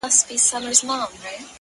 خو نتيجه نه راځي هېڅکله،